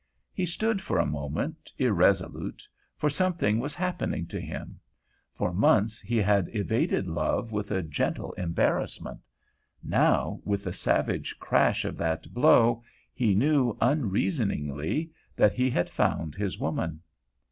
He stood for a moment irresolute, for something was happening to him. For months he had evaded love with a gentle embarrassment; now, with the savage crash of that blow, he knew unreasoningly that he had found his woman.